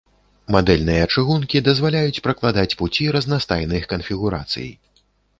Мадэльныя чыгункі дазваляюць пракладаць пуці разнастайных канфігурацый.